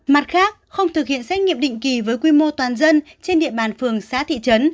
mặt khác không thực hiện xét nghiệm định kỳ với quy mô toàn dân trên địa bàn phường xã thị trấn